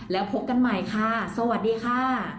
แล้วพบกันใหม่ค่ะสวัสดีค่ะ